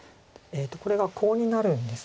これがコウになるんです。